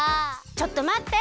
ちょっとまって！